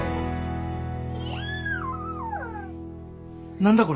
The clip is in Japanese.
何だこれ。